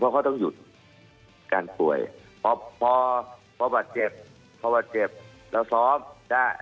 เพราะเขาต้องหยุดการป่วยพอพอบาดเจ็บพอบาดเจ็บเราซ้อมได้